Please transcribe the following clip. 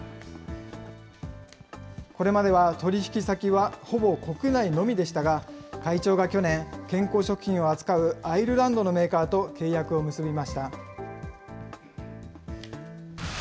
これまでは、取り引き先はほぼ国内のみでしたが、会長が去年、健康食品を扱うアイルランドのメーカーと契約を結びました。